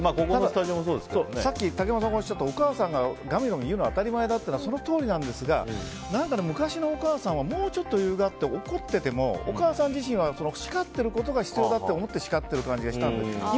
竹山さんがおっしゃったお母さんがガミガミ言うのは当たり前というのはそのとおりですが昔のお母さんはもうちょっと余裕があって怒っててもお母さん自身は叱ってることが必要で叱ってる感じがしたんですよ。